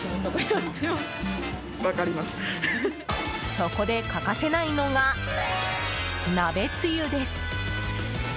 そこで欠かせないのが鍋つゆです。